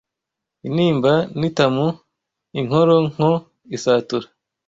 inimba n’itamu, inkoronko, isatura